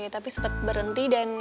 tapi sempet berhenti dan